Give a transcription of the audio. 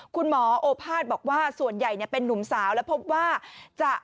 คุณหมอโอภาษบอกว่าส่วนใหญ่เป็นนุ่มสาวและพบว่าจะ